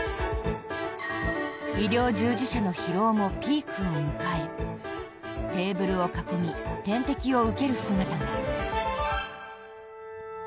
医療従事者の疲労もピークを迎えテーブルを囲み点滴を受ける姿が。